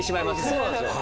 そうなんですよ。